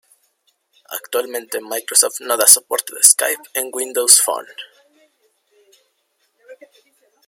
Actualmente Microsoft no da soporte de Skype en Windows Phone.